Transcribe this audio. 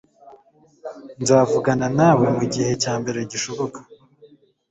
nzavugana nawe mugihe cyambere gishoboka